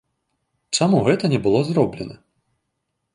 Чаму гэта не было зроблена?